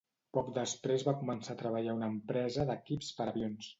Poc després va començar a treballar a una empresa d'equips per avions.